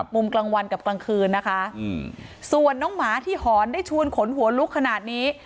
มุมกลางวันกับกลางคืนนะคะส่วนน้องหมาที่หอนได้ชวนขนหัวลุกขนาดนี้